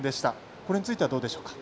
これについてはどうでしょうか？